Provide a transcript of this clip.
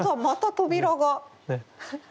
また扉が。